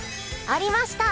ありました！